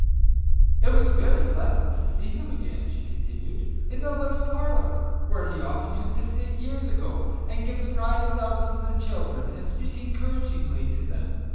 "It was very pleasant to see him again," she continued, "in the little parlour where he often used to sit years ago, and give the prizes out to the children, and speak encouragingly to them.